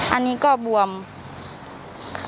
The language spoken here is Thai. อันนี้ก็บวมแค่นี้